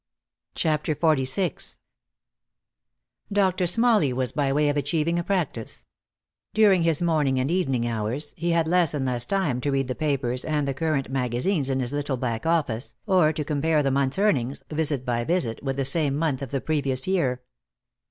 CHAPTER XLVI DOCTOR Smalley was by way of achieving a practice. During his morning and evening office hours he had less and less time to read the papers and the current magazines in his little back office, or to compare the month's earnings, visit by visit, with the same month of the previous year.